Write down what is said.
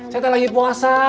saya teh lagi puasa